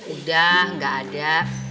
udah gak ada